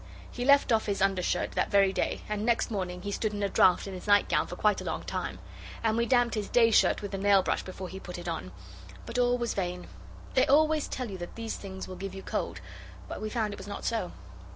He left off his undershirt that very day, and next morning he stood in a draught in his nightgown for quite a long time. And we damped his day shirt with the nail brush before he put it on. But all was vain. They always tell you that these things will give you cold, but we found it was not so.